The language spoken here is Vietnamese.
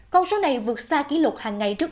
con số này vượt xa kỷ lục hàng ngày trước